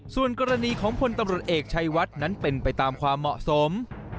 ส่วนกรณีของพลตำรวจเอกชัยวัดนั้นเป็นไปตามความเหมาะสม